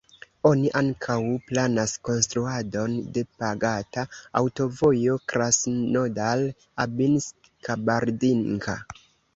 Oni ankaŭ planas konstruadon de pagata aŭtovojo Krasnodar-Abinsk-Kabardinka.